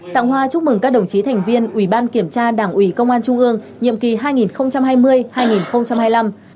tặng hoa chúc mừng các đồng chí thành viên ủy ban kiểm tra đảng ủy công an trung ương nhiệm kỳ hai nghìn hai mươi hai nghìn hai mươi năm